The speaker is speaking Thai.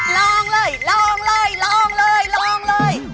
ลองเลยลองเลยลองเลยลองเลย